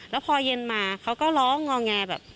แล้วพอเย็นมาเขาก็ร้องงอแงแบบ